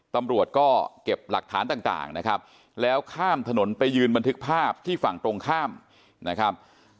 ตำรวจก็เก็บหลักฐานต่างนะครับแล้วข้ามถนนไปยืนบันทึกภาพที่ฝั่งตรงข้ามนะครับ